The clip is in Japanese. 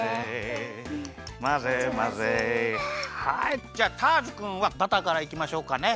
はいじゃあターズくんはバターからいきましょうかね。